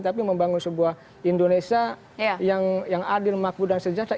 tapi membangun sebuah indonesia yang adil makmu dan sejahtera